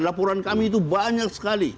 laporan kami itu banyak sekali